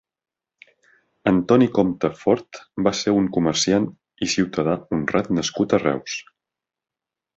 Antoni Compte Fort va ser un comerciant i ciutadà honrat nascut a Reus.